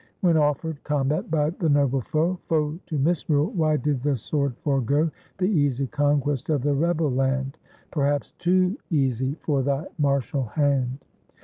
When offer'd combat by the noble foe, (Foe to misrule) why did the sword forego The easy conquest of the rebel land? Perhaps TOO easy for thy martial hand.